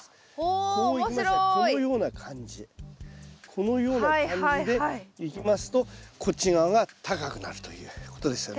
このような感じでいきますとこっち側が高くなるということですよね。